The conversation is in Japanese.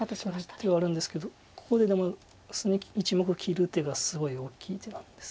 手はあるんですけどここででも１目切る手がすごい大きい手なんですよね。